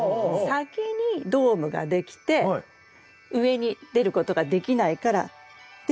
先にドームができて上に出ることができないからでも新芽が増えてくる。